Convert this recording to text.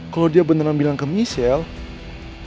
kalau dia beneran bilang ke michelle